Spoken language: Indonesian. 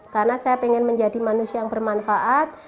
karena saya ingin menjadi manusia yang bermanfaat